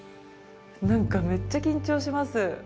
何かめっちゃ緊張します。